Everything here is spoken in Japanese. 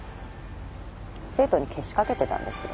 生徒にけしかけてたんですよ。